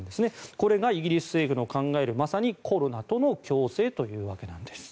これがイギリス政府の考えるまさにコロナとの共生というわけなんです。